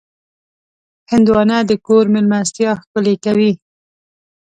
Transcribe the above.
هندوانه د کور مېلمستیا ښکلې کوي.